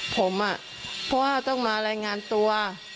ผมอ่ะเพราะว่าต้องมารายงานตัว